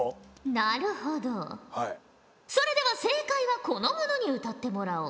なるほどそれでは正解はこの者に歌ってもらおう。